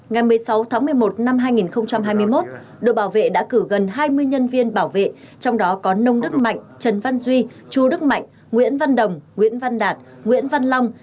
ngày một mươi sáu tháng một mươi một năm hai nghìn hai mươi một đội bảo vệ đã cử gần hai mươi nhân viên bảo vệ trong đó có nông đức mạnh trần văn duy chu đức mạnh nguyễn văn đồng nguyễn văn đạt nguyễn văn long